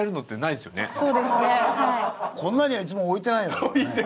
こんなにはいつも置いてないよね。